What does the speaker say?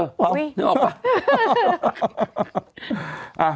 นึกออกป่ะ